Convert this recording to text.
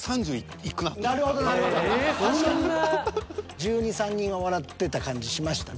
１２１３人は笑ってた感じしましたね。